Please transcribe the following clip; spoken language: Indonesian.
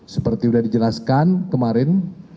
seperti sudah dijelaskan kemarin